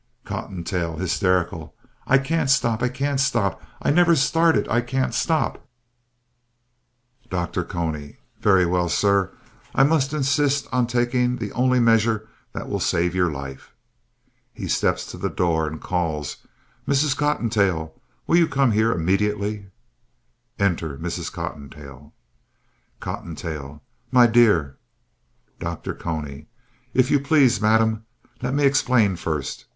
COTTONTAIL (hysterical) I can't stop, I can't stop; I never started, I can't stop DR. CONY Very well, sir, I must insist on taking the only measure that will save your life. (He steps to the door and calls) Mrs. Cottontail, will you come here immediately? (Enter Mrs. Cottontail.) COTTONTAIL My dear DR. CONY If you please, madame. Let me explain first.